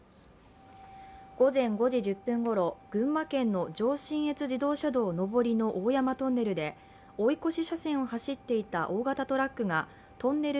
午前５時１０分ごろ、群馬県の上信越自動車道上りの大山トンネルで追い越し車線を走っていた大型トラックがトンネル